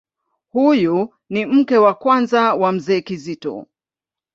Huyu ni mke wa kwanza wa Mzee Kizito.